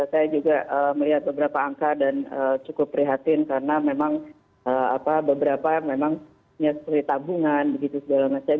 saya juga melihat beberapa angka dan cukup prihatin karena memang beberapa memang seperti tabungan begitu segala macam